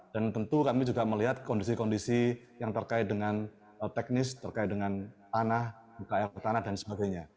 dan tentu kami juga melihat kondisi kondisi yang terkait dengan teknis terkait dengan tanah buka air petanah dan sebagainya